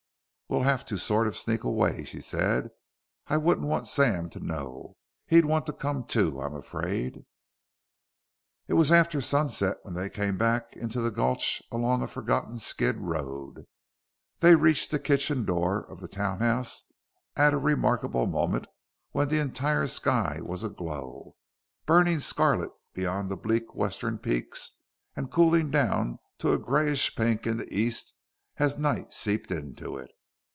"We'll have to sort of sneak away," she said. "I wouldn't want Sam to know. He'd want to come, too, I'm afraid." It was after sunset when they came back into the gulch along a forgotten skid road. They reached the kitchen door of the townhouse at a remarkable moment when the entire sky was aglow, burning scarlet beyond the bleak western peaks and cooling down to a grayish pink in the east as night seeped into it.